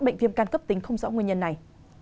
bệnh viêm can cấp tính không rõ nguyên nhân này